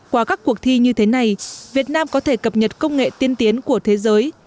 qua các cuộc thi như thế này việt nam có thể cập nhật công nghệ tiên tiến của thế giới